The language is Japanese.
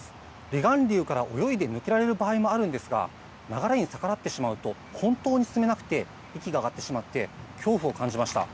離岸流から泳いで抜けられる場合もあるんですが、流れに逆らってしまうと、本当に進めなくて、息が上がってしまって、恐怖を感じました。